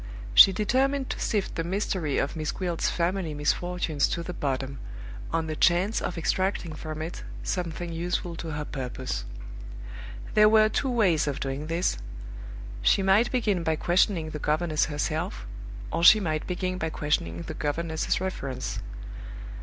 She determined to sift the mystery of Miss Gwilt's family misfortunes to the bottom, on the chance of extracting from it something useful to her purpose. There were two ways of doing this. She might begin by questioning the governess herself, or she might begin by questioning the governess's reference.